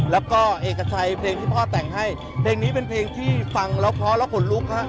แล้วก็เอกชัยเพลงที่พ่อแต่งให้เพลงนี้เป็นเพลงที่ฟังแล้วเพราะแล้วขนลุกฮะ